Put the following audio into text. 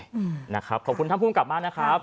เห็นเป็นอย่างไรนะครับขอบคุณท่านผู้กลับมานะครับ